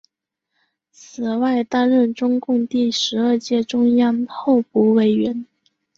此外担任中共第十二届中央候补委员。